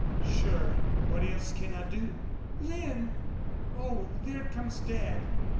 "Sure. What else can I do?" "Lin! ... Oh, there comes Dad!